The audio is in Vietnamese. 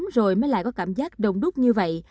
rồi mới lại có cảm giác đông đúc như vậy